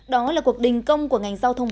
đó là cuộc đình công của ngành giao thông